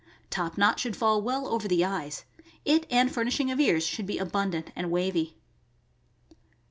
Top knot should fall well over the eyes. It and furnishing of ears should be abundant and wavy.